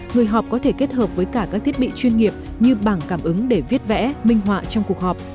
người họp có thể kết hợp với cả các thiết bị chuyên nghiệp như bảng cảm ứng để viết vẽ minh họa trong cuộc họp